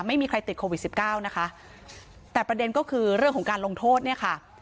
ไม่มีใครติดโควิดสิบเก้านะคะแต่ประเด็นก็คือเรื่องของการลงโทษเนี่ยค่ะ